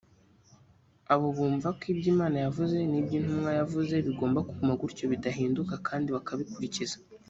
abo bumva ko ibyo Imana yavuze n’ibyo intumwa yavuze bigomba kuguma gutyo bidahinduka kandi bakabikurikiza